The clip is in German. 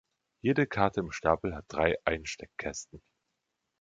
Jede Karte im Stapel hat drei Einsteckkästen.